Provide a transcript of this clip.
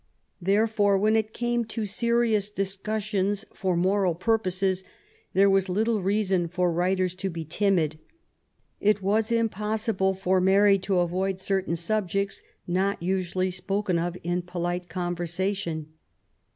Therefore, when it came to serious dis cussions for moral purposes, there was little reason for writers to be timid. It was impossible for Mary to avoid certain subjects not usually spoken of in polite conversation.